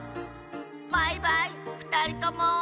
バイバイふたりとも。